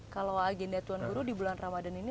kalau agenda tuan guru di bulan ramadan ini